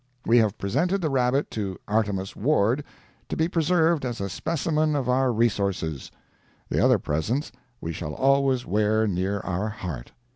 We have presented the rabbit to Artemus Ward, to be preserved as a specimen of our resources; the other presents we shall always wear near our heart.